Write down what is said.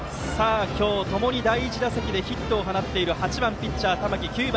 今日、ともに第１打席でヒットを放っている８番、ピッチャーの玉木９番